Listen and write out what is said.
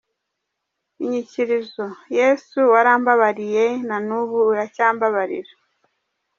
Inyikirizo: Yesu warambabariye, na n’ubu uracyambabarira.